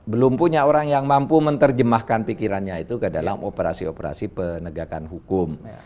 belum punya orang yang mampu menerjemahkan pikirannya itu ke dalam operasi operasi penegakan hukum